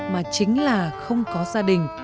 mà chính là không có gia đình